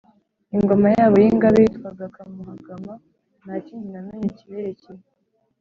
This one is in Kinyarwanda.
ingoma yabo y’ingabe yitwaga kamuhagama. nta kindi namenye kiberekeye.